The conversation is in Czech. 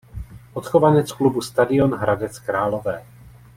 Odchovanec klubu Stadion Hradec Králové.